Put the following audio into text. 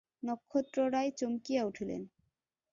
নক্ষত্ররায় চমকিয়া উঠিলেন।